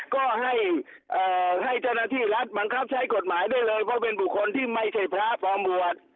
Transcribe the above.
ก็ให้เจ้าหน้าที่รัฐบังคับใช้กฎหมายได้เลยเพราะเป็นบุคคลที่ไม่ใช่พระปลอม